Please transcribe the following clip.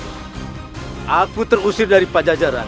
hai aku terusir dari pajajaran